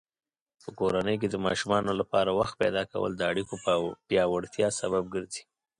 په کورنۍ کې د ماشومانو لپاره وخت پیدا کول د اړیکو پیاوړتیا سبب ګرځي.